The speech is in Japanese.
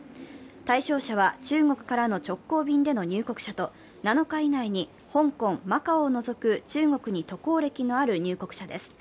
対象者は中国からの直行便での入国者と７日以内に香港・マカオを除く中国に渡航歴のある入国者です。